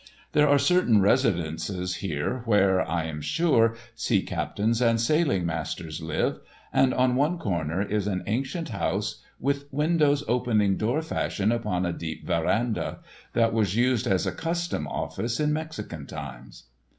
There are certain residences here where, I am sure, sea captains and sailing masters live, and on one corner is an ancient house with windows opening door fashion upon a deep veranda, that was used as a custom office in Mexican times.